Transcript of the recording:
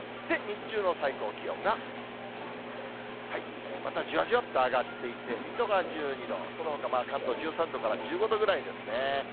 日中の最高気温が、またじわじわっと上がっていって、水戸が１２度、そのほか、関東１３度から１５度ぐらいですね。